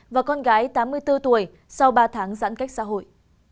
và con gái tám mươi bốn tuổi sau ba tháng giãn cách xã hội